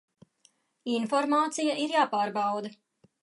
Informācija ir jāpārbauda.